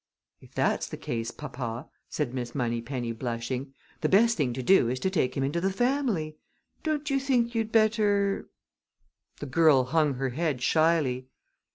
"If that's the case, papa," said Miss Moneypenny, blushing, "the best thing to do is to take him into the family. Don't you think you'd better " The girl hung her head shyly.